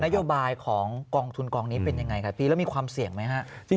โยบายของกองทุนกองนี้เป็นยังไงครับพี่แล้วมีความเสี่ยงไหมฮะ